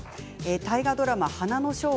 大河ドラマ「花の生涯」